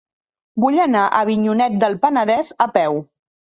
Vull anar a Avinyonet del Penedès a peu.